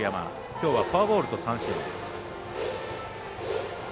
きょうはフォアボールと三振。